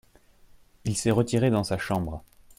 Il s’est retiré dans sa chambre.